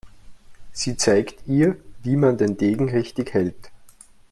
Sie zeigt ihr, wie man den Degen richtig hält.